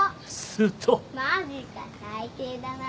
マジか最低だな。